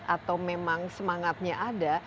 atau memang semangatnya ada